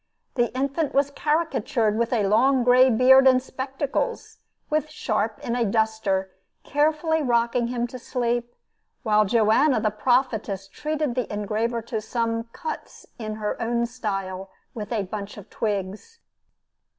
The infant was caricatured with a long gray beard and spectacles, with Sharp in a duster carefully rocking him to sleep, while Joanna the Prophetess treated the engraver to some "cuts" in her own style, with a bunch of twigs.